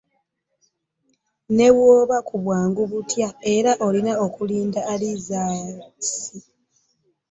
Ne bw'oba ku bwangu butya era olina okulinda alizaatisi.